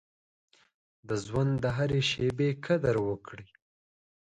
د ژوند د هرې شېبې قدر وکړئ.